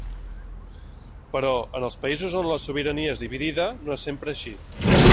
Però, en els països on la sobirania és dividida, no és sempre així.